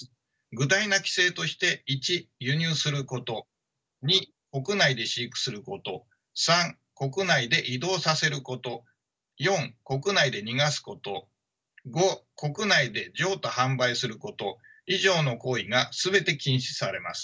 具体な規制として１輸入すること２国内で飼育すること３国内で移動させること４国内で逃がすこと５国内で譲渡販売すること以上の行為が全て禁止されます。